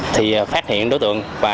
thì phát hiện đối tượng